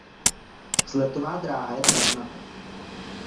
Vzletová dráha je travnatá.